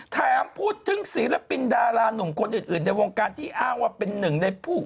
ถามพูดถึงศิลปินดารานุ่มคนอื่นในวงการที่อ้างว่าเป็นหนึ่งในผู้